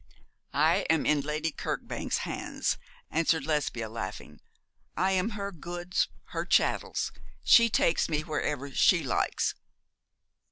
'I am in Lady Kirkbank's hands,' answered Lesbia, laughing. 'I am her goods, her chattels; she takes me wherever she likes.'